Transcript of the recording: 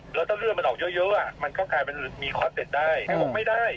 แล้วถ้าเลือดมันออกเยอะมันก็กลายเป็นมีคลอดเต็ดได้